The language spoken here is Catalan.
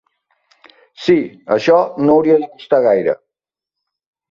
Sí, això no hauria de costar gaire.